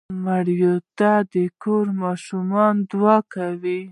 مړه ته د کور د ماشومانو دعا شته